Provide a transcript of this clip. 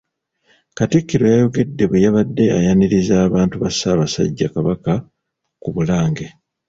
Katikkiro yayogedde bwe yabadde ayaniriza abantu ba Ssaabasajja Kabaka ku Bulange.